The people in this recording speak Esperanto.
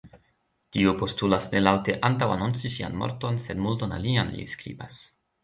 Tio postulas ne laŭte antaŭanonci sian morton sed multon alian”, li skribas.